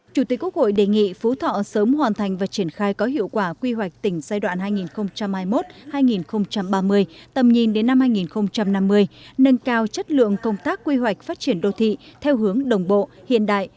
chủ tịch quốc hội đề nghị phú thọ sớm hoàn thành và triển khai có hiệu quả quy hoạch tỉnh giai đoạn hai nghìn hai mươi một hai nghìn ba mươi tầm nhìn đến năm hai nghìn năm mươi nâng cao chất lượng công tác quy hoạch phát triển đô thị theo hướng đồng bộ hiện đại